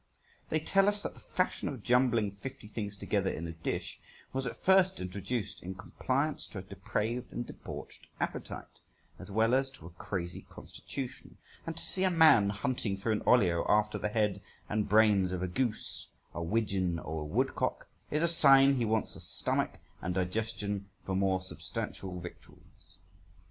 They tell us that the fashion of jumbling fifty things together in a dish was at first introduced in compliance to a depraved and debauched appetite, as well as to a crazy constitution, and to see a man hunting through an olio after the head and brains of a goose, a widgeon, or a woodcock, is a sign he wants a stomach and digestion for more substantial victuals.